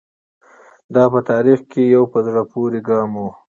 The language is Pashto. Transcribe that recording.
دا په تاریخ کې یو په زړه پورې ګام و.